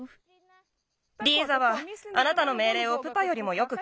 リーザはあなたのめいれいをプパよりもよくきく。